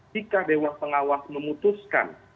jika dewan pengawas memutuskan